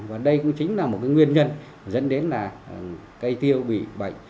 và đây cũng chính là một nguyên nhân dẫn đến cây tiêu bị bệnh